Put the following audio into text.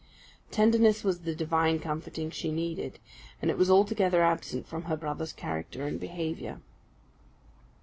Tenderness was the divine comforting she needed; and it was altogether absent from her brother's character and behaviour.